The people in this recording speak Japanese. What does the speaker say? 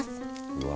うわ